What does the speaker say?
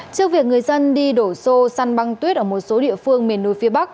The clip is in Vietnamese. trước việc người dân đi đổ xô săn băng tuyết ở một số địa phương miền núi phía bắc